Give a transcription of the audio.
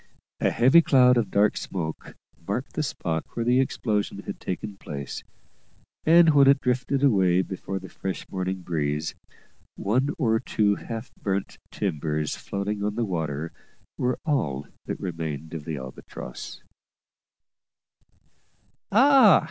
A heavy cloud of dark smoke marked the spot where the explosion had taken place; and when it drifted away before the fresh morning breeze, one or two half burnt timbers floating on the water were all that remained of the Albatross. "Ah!"